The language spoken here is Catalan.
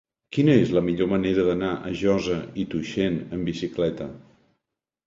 Quina és la millor manera d'anar a Josa i Tuixén amb bicicleta?